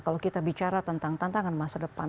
kalau kita bicara tentang tantangan masa depan